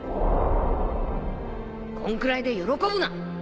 こんくらいで喜ぶな！